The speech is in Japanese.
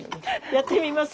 やってみます？